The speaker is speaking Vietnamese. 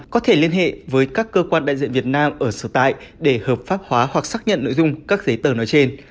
có thể liên hệ với các cơ quan đại diện việt nam ở sở tại để hợp pháp hóa hoặc xác nhận nội dung các giấy tờ nói trên